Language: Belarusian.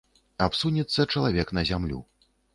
Абсунецца чалавек на зямлю.